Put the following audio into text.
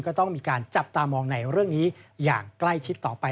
ก็ต้องมีการจับตามองในเรื่องนี้อย่างใกล้ชิดต่อไป